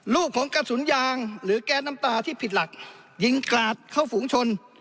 ลูกของกระสุนยางหรือแก๊สน้ำตาที่ผิดหลักยิงกราดเข้าฝูงชน